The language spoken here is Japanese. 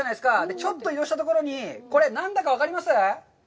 ちょっと移動したところにこれ、何だか分かります？